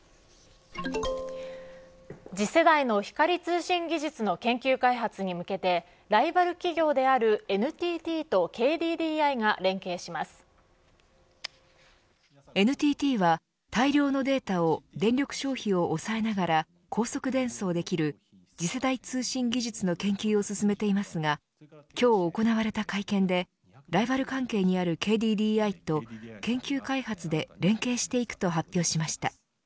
次世代の光通信技術の研究開発に向けてライバル企業であるＮＴＴとＫＤＮＴＴは大量のデータを電力消費を抑えながら高速伝送できる次世代通信技術の研究を進めていますが今日行われた会見でライバル関係にあるＫＤＤＩと研究開発で連携していくと発表しました。